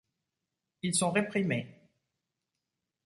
Ils sont réprimés.